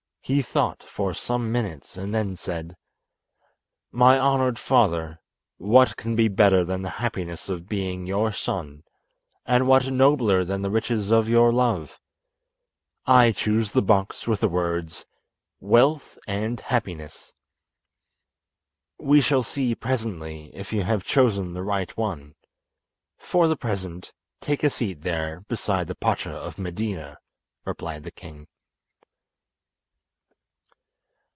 He thought for some minutes, and then said: "My honoured father, what can be better than the happiness of being your son, and what nobler than the riches of your love. I choose the box with the words 'Wealth and Happiness.'" "We shall see presently if you have chosen the right one. For the present take a seat there beside the Pacha of Medina," replied the king.